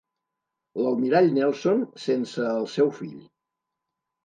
L'almirall Nelson sense el seu fill.